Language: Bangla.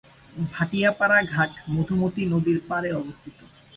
ভাটিয়াপাড়া ঘাট মধুমতি নদীর পাড়ে অবস্থিত।